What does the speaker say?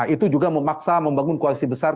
itu juga memaksa membangun koalisi besar